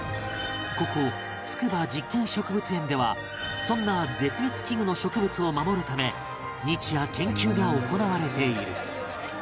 ここ筑波実験植物園ではそんな絶滅危惧の植物を守るため日夜研究が行われている